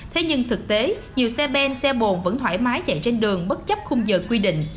thế nhưng thực tế nhiều xe ben xe bồn vẫn thoải mái chạy trên đường bất chấp khung giờ quy định